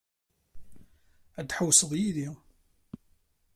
Ad tḥewwseḍ yid-i?